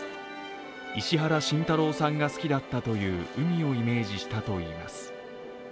石原慎太郎さんが好きだったという海をイメージしたといいます。